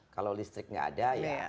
kalau listrik nggak ada ya